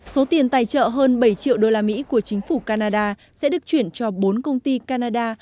số tiền tài trợ hơn bảy triệu đô la mỹ của chính phủ canada sẽ được chuyển cho bốn công ty canada